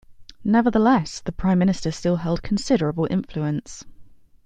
Nevertheless, the Prime Minister still held considerable influence.